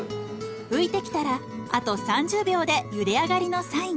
浮いてきたらあと３０秒でゆで上がりのサイン。